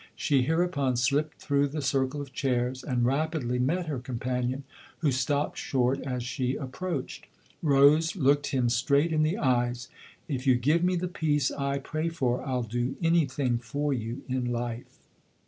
She hereupon slipped through the circle of chairs and rapidly met her companion, who stopped short as she approached. Rose looked him straight in the eyes. " If you give me the peace I pray for, I'll do anything for you in life